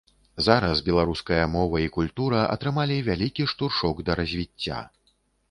Зараз беларускія мова і культура атрымалі вялікі штуршок да развіцця.